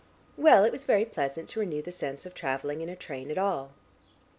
Well, it was very pleasant to renew the sense of travelling in a train at all.